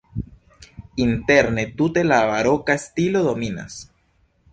Interne tute la baroka stilo dominas.